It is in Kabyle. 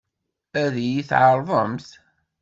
Ad iyi-t-tɛeṛḍemt?